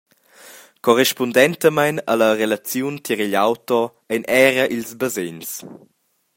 Corrispundentamein alla relaziun tier igl auto ein era ils basegns.